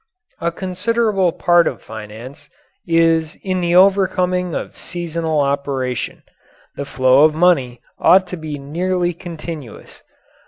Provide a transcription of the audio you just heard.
A considerable part of finance is in the overcoming of seasonal operation. The flow of money ought to be nearly continuous.